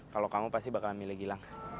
kalau kamu pasti bakalan milih lagi lang